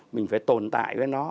mình phải tồn tại với nó